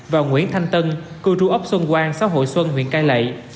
và nguyễn thanh tân cư trú ốc xuân quang xã hội xuân huyện cai lậy